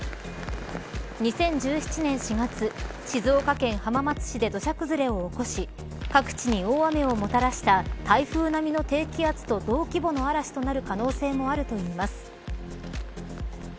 ２０１７年４月静岡県浜松市で土砂崩れを起こし各地に大雨をもたらした台風並みの低気圧と同規模の嵐となる可能性もあるといいます。